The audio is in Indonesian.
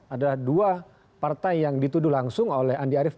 adalah dua partai yang dituduh langsung oleh andi arief